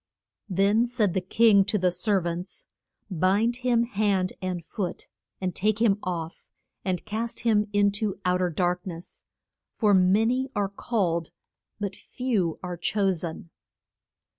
Then said the king to the ser vants, Bind him hand and foot and take him off, and cast him in to out er dark ness. For ma ny are called but few are cho sen.